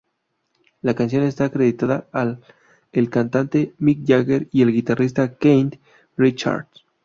La canción esta acreditada a el cantante Mick Jagger y el guitarrista Keith Richards.